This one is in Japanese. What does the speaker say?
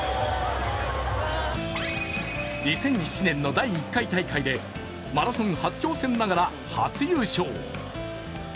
２００７年の第１回大会で、マラソン初挑戦ながら初優勝。